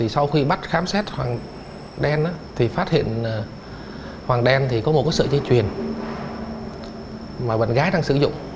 sau khi bắt khám xét hoàng đen thì phát hiện hoàng đen có một sợi chế truyền mà bạn gái đang sử dụng